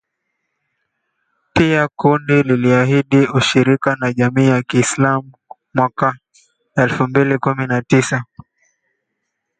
Pia kundi liliahidi ushirika na jamii ya kiislam mwaka elfu mbili kumi na tisa